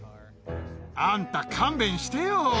あんた、勘弁してよ。